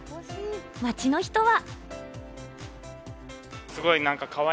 街の人は。